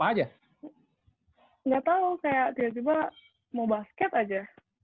gak tau kayak tiba tiba mau basket aja